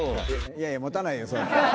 いやいや、持たないよ。